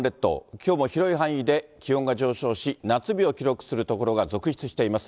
きょうも広い範囲で気温が上昇し、夏日を記録する所が続出しています。